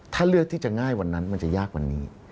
ถ้าเลือกที่จะง่ายวันนั้นมันจะยากวันนี้